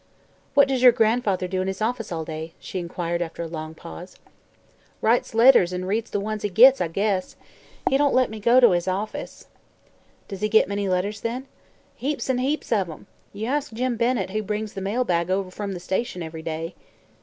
"What does your grandfather do in his office all day?" she inquired after a long pause. "Writes letters an' reads the ones he gits, I guess. He don't let me go to his office." "Does he get many letters, then?" "Heaps an' heaps of 'em. You ask Jim Bennett, who brings the mail bag over from the station ev'ry day."